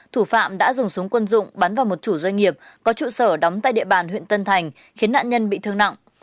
thủ phạm đã dùng súng quân dụng bắn vào một chủ doanh nghiệp có trụ sở đóng tại địa bàn huyện tân thành khiến nạn nhân bị thương nặng